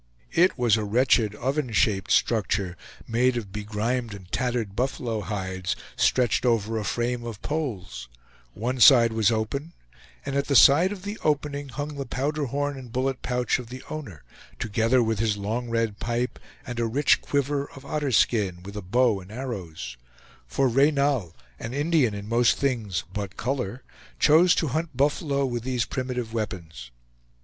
It was a wretched oven shaped structure, made of begrimed and tattered buffalo hides stretched over a frame of poles; one side was open, and at the side of the opening hung the powder horn and bullet pouch of the owner, together with his long red pipe, and a rich quiver of otterskin, with a bow and arrows; for Reynal, an Indian in most things but color, chose to hunt buffalo with these primitive weapons.